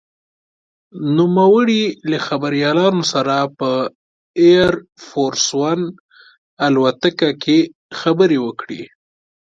نوموړي له خبریالانو سره په «اېر فورس ون» الوتکه کې خبرې وکړې.